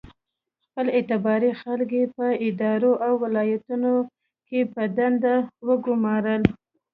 خپل اعتباري خلک یې په ادارو او ولایتونو کې په دندو وګومارل.